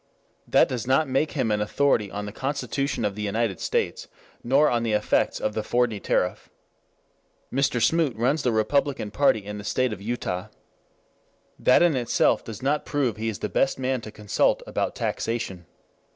That does not make him an authority on the Constitution of the United States, nor on the effects \of the Fordney tariff. Mr. Smoot runs the Republican party in the State of Utah. That in itself does not prove he is the best man to consult about taxation.